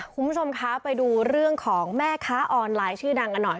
คุณผู้ชมคะไปดูเรื่องของแม่ค้าออนไลน์ชื่อดังกันหน่อย